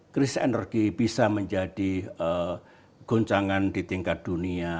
kris energi bisa menjadi goncangan di tingkat dunia